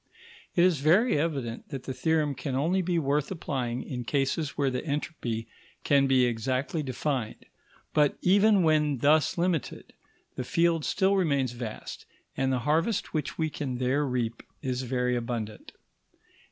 _ It is very evident that the theorem can only be worth applying in cases where the entropy can be exactly defined; but, even when thus limited, the field still remains vast, and the harvest which we can there reap is very abundant.